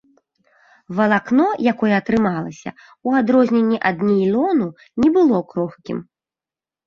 Валакно, якое атрымалася, у адрозненне ад нейлону, не было крохкім.